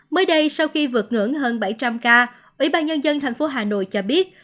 mới đây sau khi vượt ngưỡng hơn bảy trăm linh ca ủy ban nhân dân thành phố hà nội cho biết